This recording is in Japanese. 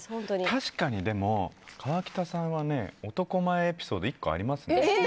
確かに河北さんは男前エピソード１個ありますね。